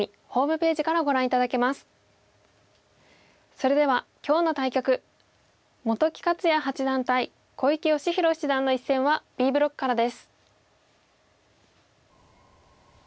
それでは今日の対局本木克弥八段対小池芳弘七段の一戦はＢブロックからです。